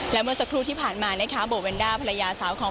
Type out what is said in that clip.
และเมื่อสักครู่ที่ผ่านมานะคะโบเวนด้าภรรยาสาวของ